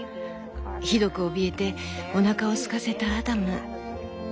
ひどくおびえておなかをすかせたアダム」。